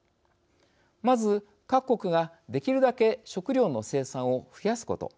まず、各国ができるだけ食料の生産を増やすこと。